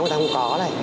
người ta không có